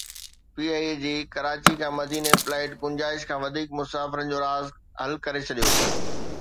P I A جي ڪراچي کان مديني فلائيٽ گنجائش کان وڌيڪ مسافرن جو راز حل ڪري ڇڏيو